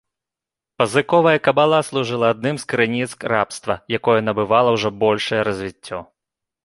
Пазыковая кабала служыла адным з крыніц рабства, якое набывала ўжо большае развіццё.